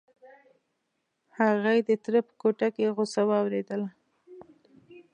هغې د تره په کوټه کې غوسه واورېدله.